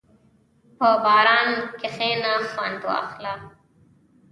په باران کښېنه، خوند اخله.